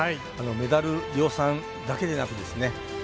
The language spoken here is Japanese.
メダル量産だけでなくですね